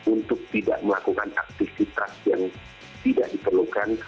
untuk tidak melakukan aktivitas yang tidak diperlukan